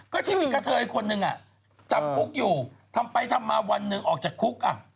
ก็ที่มีกระเทยคนหนึ่งจำคุกอยู่ทำไปทำมาวันหนึ่งออกจากคุก